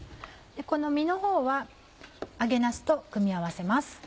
この身のほうは揚げなすと組み合わせます。